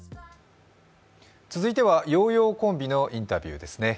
続いては、ようようコンビのインタビューですね。